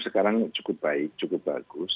sekarang cukup baik cukup bagus